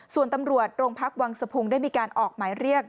ส่วนตำรวจโรงพักวังสะพุงได้มีการออกหมายเรียก